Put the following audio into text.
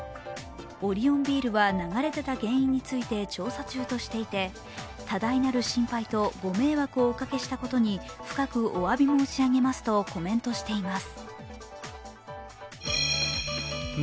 オリオンビールは流れ出た原因について調査中としていて多大なる心配とご迷惑をおかけしたことに深くおわび申し上げますとコメントしています。